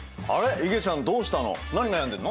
いげちゃんどうしたの？